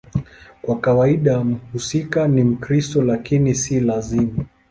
Kwa kawaida mhusika ni Mkristo, lakini si lazima.